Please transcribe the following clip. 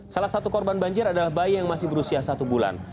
salah satu korban banjir adalah bayi yang masih berusia satu bulan